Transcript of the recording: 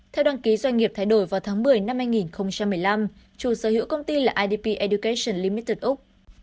theo đăng ký doanh nghiệp thay đổi vào tháng một mươi năm hai nghìn một mươi năm chủ sở hữu công ty là idp education limited úc